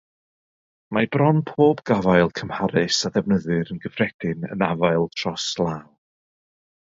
Mae bron pob gafael cymharus a ddefnyddir yn gyffredin yn afael tros law.